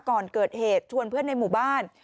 ก่อนเกิดเหตุชวนเพื่อนในหมู่บ้าน